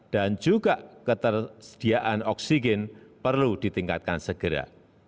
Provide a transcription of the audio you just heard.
dan juga ketersediaan oksigen perlu ditingkatkan segera